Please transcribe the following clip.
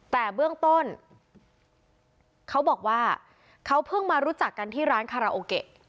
แต่เบื้องต้นเขาบอกว่าเขาเพิ่งมารู้จักกันที่ร้านคาราโอเกะ